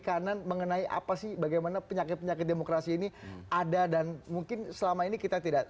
kanan mengenai apa sih bagaimana penyakit penyakit demokrasi ini ada dan mungkin selama ini kita tidak